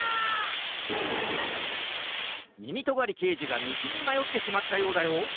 みみとがりけいじがみちにまよってしまったようだよ。